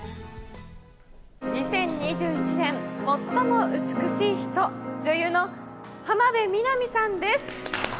２０２１年最も美しい人、女優の浜辺美波さんです。